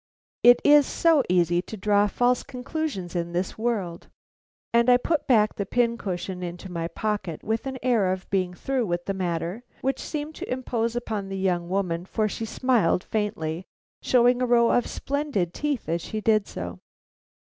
It is so easy to draw false conclusions in this world." And I put back the pin cushion into my pocket with an air of being through with the matter, which seemed to impose upon the young woman, for she smiled faintly, showing a row of splendid teeth as she did so.